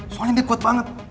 soalnya dia kuat banget